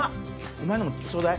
お前のもちょうだい。